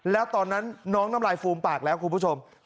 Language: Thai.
แล้วตอนนั้นน้องน้ำลายฟูมปากแล้วคุณผู้ชม